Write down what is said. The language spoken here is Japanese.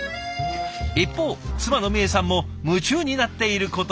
一方妻のみえさんも夢中になっていることが。